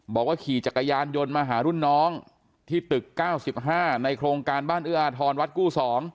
บอกว่าขี่จักรยานยนต์มาหารุ่นน้องที่ตึก๙๕ในโครงการบ้านเอื้ออาทรวัดกู้๒